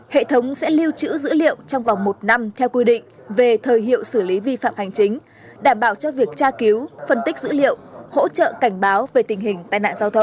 hệ thống sẽ lưu trữ dữ liệu trong vòng một năm theo quy định về thời hiệu xử lý vi phạm hành chính đảm bảo cho việc tra cứu phân tích dữ liệu hỗ trợ cảnh báo về tình hình tai nạn giao thông